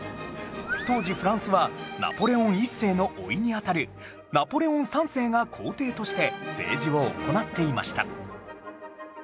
当時フランスはナポレオン一世の甥にあたるナポレオン三世が皇帝として政治を行っていました